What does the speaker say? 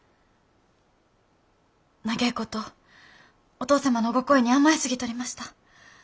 長えことお義父様のご厚意に甘えすぎとりました。